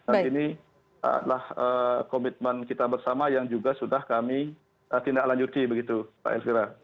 dan inilah komitmen kita bersama yang juga sudah kami tindak lanjuti begitu pak elvira